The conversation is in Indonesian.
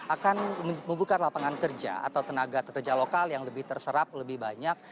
akan membuka lapangan kerja atau tenaga kerja lokal yang lebih terserap lebih banyak